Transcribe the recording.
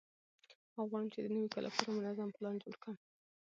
او غواړم چې د نوي کال لپاره منظم پلان جوړ